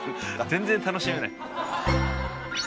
全然楽しめない。